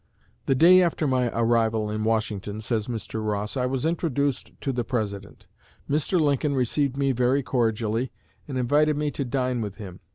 "The day after my arrival in Washington," says Mr. Ross, "I was introduced to the President. Mr. Lincoln received me very cordially, and invited me to dine with him.